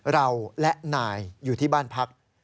เราและนายอยู่ที่บ้านพัก